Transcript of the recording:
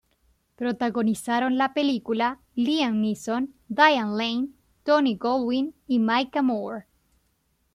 Protagonizaron la película Liam Neeson, Diane Lane, Tony Goldwyn y Maika Monroe.